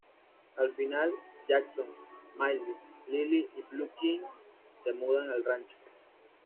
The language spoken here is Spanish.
Al final, Jackson, Miley, Lilly y Blue Jeans se mudan al rancho.